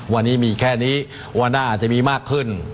วันนี้มีแค่นี้วันหน้าอาจจะมีมากขึ้น